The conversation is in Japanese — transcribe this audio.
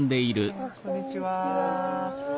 はいこんにちは。